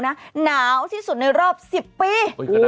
หนาวที่สุดในรอบ๑๐ปี